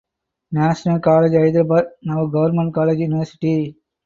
National College Hyderabad (now Government College University).